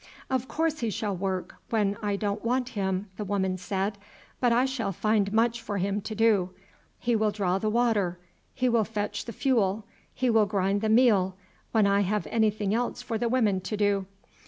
"Of course he shall work when I don't want him," the woman said, "but I shall find much for him to do. He will draw the water, he will fetch the fuel, he will grind the meal when I have anything else for the women to do.